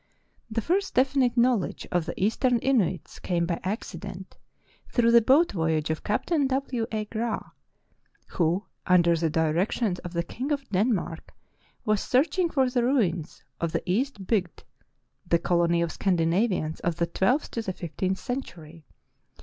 The first definite knowledge of the Eastern Inuits came by accident, through the boat voyage of Captain W. A. Graah, who under the directions of the King of Denmark was searching for the ruins of the East Bygd — the colony of Scandmavians of the twelfth to the fifteenth century.